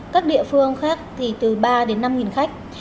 các địa phương khác thì từ ba đến năm khách